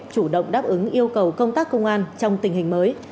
chủ động đáp ứng yêu cầu công tác công an trong tình hình mới